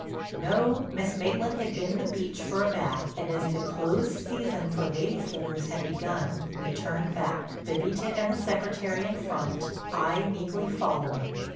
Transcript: No, Miss Maitland had been to the beach for a bath, and as the closed season for lady slippers had begun, we turned back, Bébita and the Secretary in front, I meekly following.